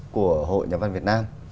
của hội nhà văn việt nam